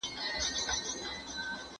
ایا تاسو کله د فیل پښې لیدلې دي؟